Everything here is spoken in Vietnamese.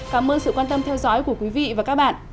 cảm ơn sự quan tâm theo dõi của quý vị và các bạn